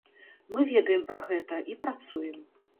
Мы ведаем пра гэта і працуем.